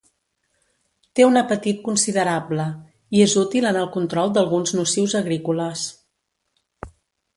Té un apetit considerable, i és útil en el control d'alguns nocius agrícoles.